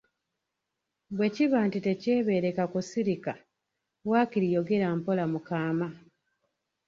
"Bwe kiba nti tekyebeereka kusirika, waakiri yogera mpola mu kaama."